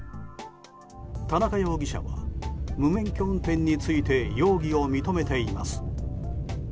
田中容疑者は無免許運転について容疑を認めています。